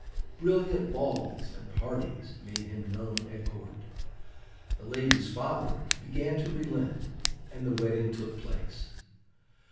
Brilliant balls and parties made him known at court. The lady's father began to relent, and the wedding took place.